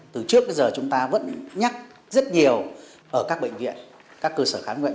từ trước đến giờ chúng ta vẫn nhắc rất nhiều ở các bệnh viện các cơ sở kháng nguyện